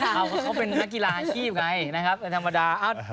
เพราะเขาเป็นนักกีฬาอาชีพไงนะครับเป็นธรรมดา